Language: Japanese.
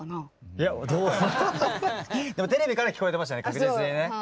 いやどうでもテレビからは聞こえてましたね確実にね。